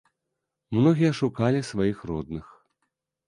Многія шукалі сваіх родных.